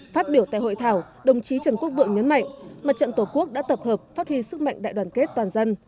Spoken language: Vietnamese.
phát biểu tại hội thảo đồng chí trần quốc vượng nhấn mạnh mặt trận tổ quốc đã tập hợp phát huy sức mạnh đại đoàn kết toàn dân